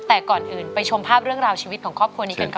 แต่ก่อนอื่นไปชมภาพเรื่องราวชีวิตของครอบครัวนี้กันค่ะ